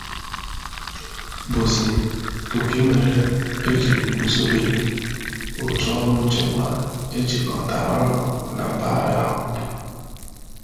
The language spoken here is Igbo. bụzị nke mere e jiri guzobe òtù ọrụ nchekwa e jikọtara ọnụ na mpaghara ahụ